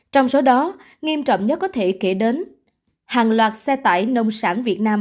trong số đó nghiêm trọng nhất có thể kể đến hàng loạt xe tải nông sản việt nam